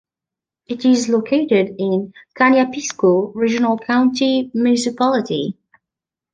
It is located in Caniapiscau Regional County Municipality.